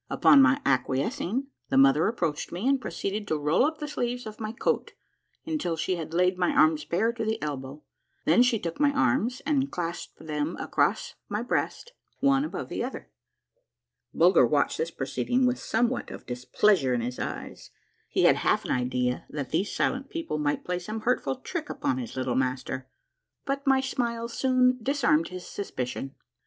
Upon my acquiescing, the mother approached me and proceeded to roll up the sleeves of my coat until she had laid my arms bare to the elbow, then she took my arms and clasped them across my breast one above the other. Bulger watched the proceeding with somewdiat of displeas ure in his eyes ; he had half an idea that these silent people might play some hurtful trick upon his little master. But my smile soon disarmed his suspicion.